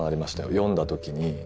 読んだ時に。